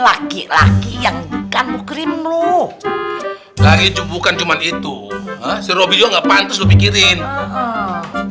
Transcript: eh masih banyak laki laki yang pantas lu pikirin tau